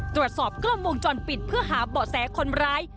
ตรวจสอบกล้องวงจรปิดเพื่อหาเบาะแสคนร้าย